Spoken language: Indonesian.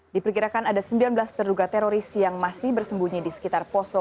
diperkirakan ada sembilan belas terduga teroris yang masih bersembunyi di sekitar poso